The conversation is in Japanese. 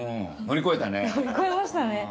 乗り越えましたね。